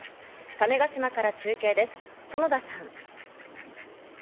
種子島から中継です、園田さん。